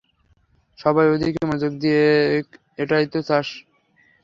সবাই ওর দিকে মনোযোগ দিক - এটাই তো চায় সে।